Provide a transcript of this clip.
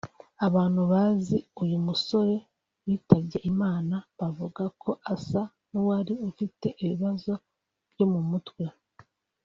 Abantu bazi uyu musore witabye Imana bavuga ko asa n’uwari ufite ibibazo byo mu mutwe